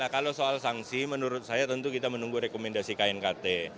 kalau soal sanksi menurut saya tentu kita menunggu rekomendasi knkt